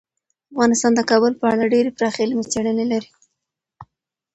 افغانستان د کابل په اړه ډیرې پراخې علمي څېړنې لري.